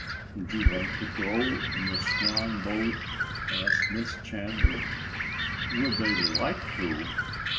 "Would you like to go in the swan boat?" asked Miss Chandler. Would they like to!